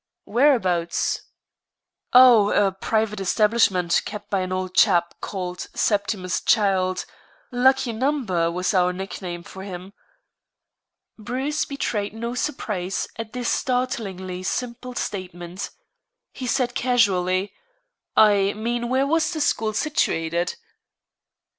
"Whereabouts?" "Oh, a private establishment kept by an old chap called Septimus Childe, Lucky Number was our nickname for him." Bruce betrayed no surprise at this startlingly simple statement. He said casually: "I mean where was the school situated?"